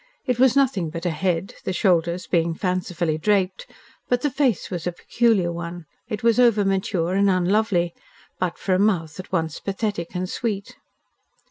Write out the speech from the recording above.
It was nothing but a head, the shoulders being fancifully draped, but the face was a peculiar one. It was over mature, and unlovely, but for a mouth at once pathetic and sweet.